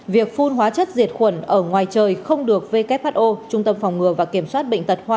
việc phun hóa chất diệt khuẩn ở ngoài trời không được who